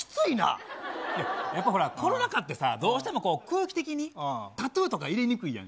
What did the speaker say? やっぱほら、コロナ禍ってどうしても空気的にタトゥーとか入れにくいやん。